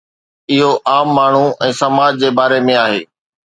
اهو عام ماڻهو ۽ سماج جي باري ۾ آهي.